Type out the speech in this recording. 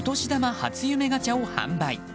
初夢ガチャを販売。